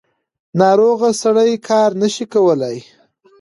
ناروغه سړی کار نشي کولی.